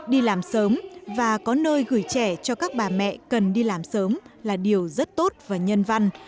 đi làm sớm và có nơi gửi trẻ cho các bà mẹ cần đi làm sớm là điều rất tốt và nhân văn